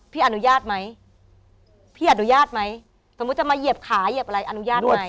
พี่อนุญาตไหมนวดเส้นอะไรแบบนี้อนุญาตก็ได้